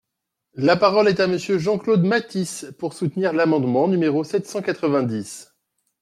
La parole est à Monsieur Jean-Claude Mathis, pour soutenir l’amendement numéro sept cent quatre-vingt-dix.